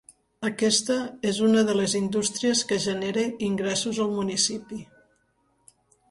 Aquesta és una de les indústries que genera ingressos al municipi.